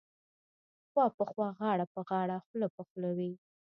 خوا په خوا غاړه په غاړه خوله په خوله وې.